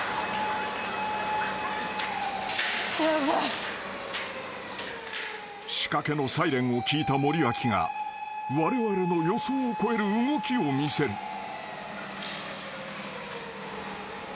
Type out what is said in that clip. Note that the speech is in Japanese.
・［仕掛けのサイレンを聞いた森脇がわれわれの予想を超える動きを見せる］